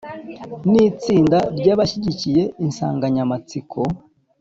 Ni itsinda ry’abashyigikiye insanganyamatsiko.